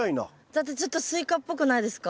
だってちょっとスイカっぽくないですか？